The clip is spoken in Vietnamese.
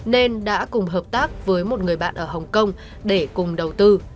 nên đã cùng hợp tác với một người bạn ở hồng kông để cùng đầu tư